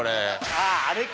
あああれか。